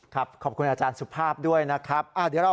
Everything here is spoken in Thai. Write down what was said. ขอบคุณอาจารย์สุภาพด้วยนะครับ